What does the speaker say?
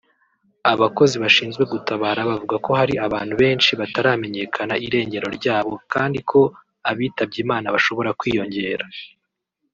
Abakozi bashinzwe gutabara bavuga ko hari abantu benshi bataramenyekana irengero ryabo kandi ko abitabye Imana bashobora kwiyongera